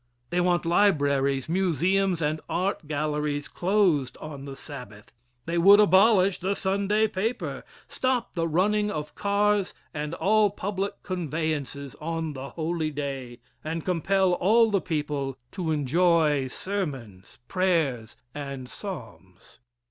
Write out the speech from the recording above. They want libraries, museums and art galleries closed on the Sabbath. They would abolish the Sunday paper stop the running of cars and all public conveyances on the holy day, and compel all the people to enjoy sermons, prayers and psalms.